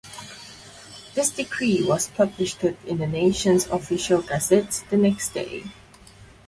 This decree was published in the nation's official gazette the next day.